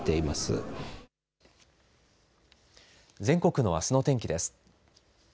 全国のあすの天気です。